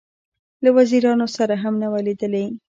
له وزیرانو سره هم نه وه لیدلې.